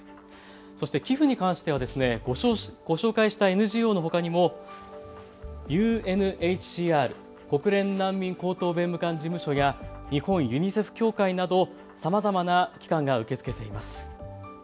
そして寄付に関してはご紹介したＮＧＯのほかにもＵＮＨＣＲ・国連難民高等弁務官事務所や日本ユニセフ協会など、さまざまな機関が受け付けています。